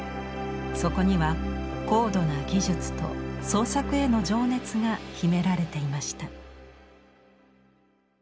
そこには高度な技術と創作への情熱が秘められていました。